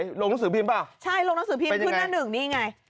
โรงหนังสือพิมพ์เปล่าเป็นยังไงเป็นยังไงใช่โรงหนังสือพิมพ์ขึ้นหน้าหนึ่งนี่ไง